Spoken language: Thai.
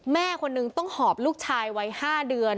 แม่คนหนึ่งต้องหอบลูกชายไว้ห้าเดือน